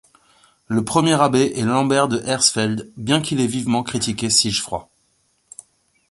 Le premier abbé est Lambert de Hersfeld, bien qu'il ait vivement critiqué Sigefroi.